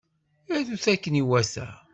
Arut akken iwata.